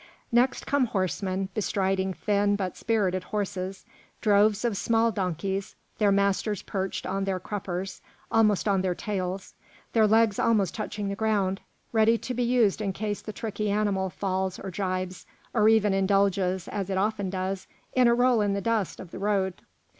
Next come horsemen, bestriding thin, but spirited horses; droves of small donkeys, their masters perched on their cruppers, almost on their tails, their legs almost touching the ground, ready to be used in case the tricky animal falls or jibs, or even indulges, as it often does, in a roll in the dust of the road.